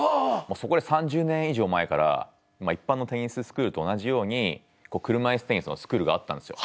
そこで３０年以上前から一般のテニススクールと同じように車椅子テニスのスクールがあったんですよ。